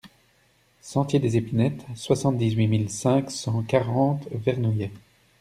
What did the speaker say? Sentier des Epinettes, soixante-dix-huit mille cinq cent quarante Vernouillet